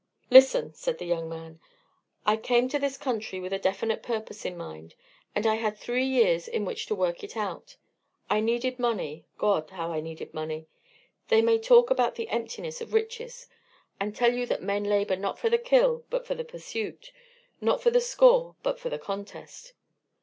"Listen!" said the young man. "I came to this country with a definite purpose in mind, and I had three years in which to work it out. I needed money God, how I needed money! They may talk about the emptiness of riches, and tell you that men labor not for the 'kill' but for the pursuit, not for the score but for the contest.